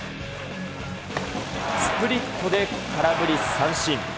スプリットで空振り三振。